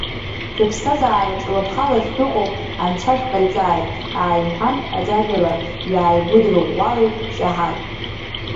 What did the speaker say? Шәыԥсҭазаараҿ лыԥхала шәныҟәо Анцәа шәҟаиҵааит, ааиҳәан аӡәаӡәала иааигәыдрӷәӷәалеит Шьаҳан.